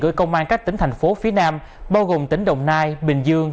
gửi công an các tỉnh thành phố phía nam bao gồm tỉnh đồng nai bình dương